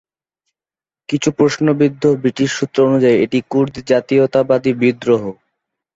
কিছু প্রশ্নবিদ্ধ ব্রিটিশ সূত্র অনুযায়ী এটি কুর্দি জাতীয়তাবাদী বিদ্রোহ।